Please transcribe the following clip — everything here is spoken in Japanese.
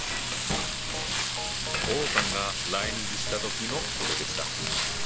王さんが来日した時の事でした。